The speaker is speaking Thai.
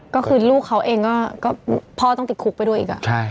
ก็คือลูกเขาเองก็พ่อต้องติดคุกไปด้วยอีก